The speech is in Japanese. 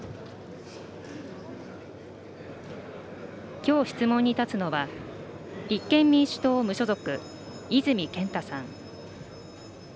きょう質問に立つのは、立憲民主党・無所属、泉健太さん。